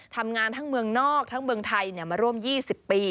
ทำงานทั้งเมืองนอกทั้งเมืองไทยมาร่วม๒๐ปี